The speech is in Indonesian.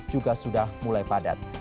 juga sudah mulai padat